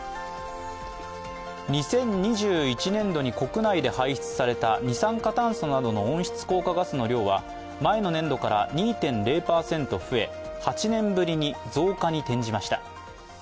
２０２１年度に国内で排出された二酸化炭素などの温室効果ガスの量は前の年度から２．０％増え、８年ぶりに増加に転じました。